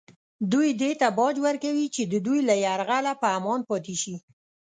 دوی دې ته باج ورکوي چې د دوی له یرغله په امان پاتې شي